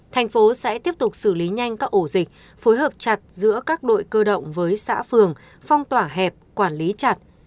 thành phố sẽ tiếp tục xử lý nhanh các ổ dịch phối hợp chặt giữa các đội cơ động với xã phường phong tỏa hẹp quản lý chặt